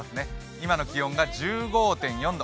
今の気温が１５．４度、